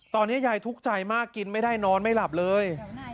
ตอนนี้ยายทุกข์ใจมากกินไม่ได้นอนไม่หลับเลย